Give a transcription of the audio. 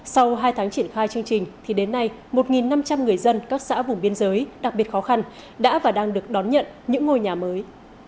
sau hai tháng triển khai chương trình thì đến nay một năm trăm linh người dân các xã vùng biên giới đặc biệt khó khăn đã và đang được đón nhận những ngôi nhà mới